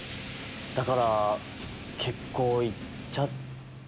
だから結構行っちゃ。